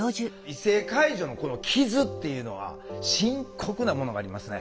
異性介助のこの傷っていうのは深刻なものがありますね。